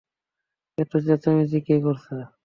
এত চেঁচামেচি কে করছে?